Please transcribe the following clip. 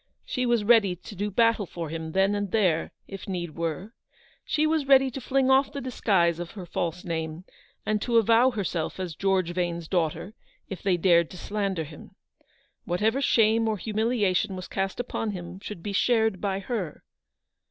She was ready to do battle for him then and there, if need were. She was ready to fling off the disguise of her false name, and to avow herself as George Vane's daughter, if they dared to slander him. Whatever shame or humiliation was cast upon him should be shared by her.